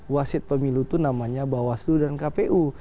wasit pemilu itu namanya bawaslu dan kpu